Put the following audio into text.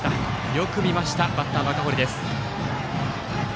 よく見ました、バッターの赤堀。